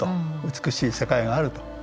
美しい世界があると。